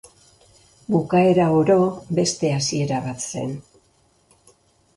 Bukaera oro beste hasiera bat zen.